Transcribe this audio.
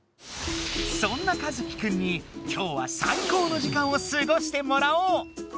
そんな一樹くんに今日は最高の時間をすごしてもらおう！